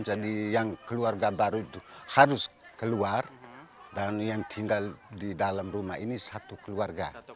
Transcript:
jadi yang keluarga baru harus keluar dan yang tinggal di dalam rumah ini satu keluarga